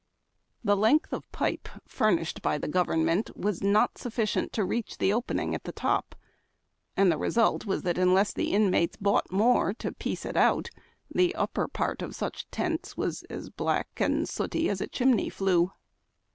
The length of pipe furnished by the government was not sufficient to reach the opening at the top, and the result was that unless the inmates bought more to piece it out, the upper part of such tents was as black and sooty as a chimney tine.